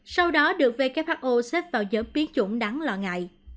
sau đó được who xếp vào nhóm biến chủng đáng lo ngại